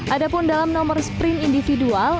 ada pun dalam nomor sprint individual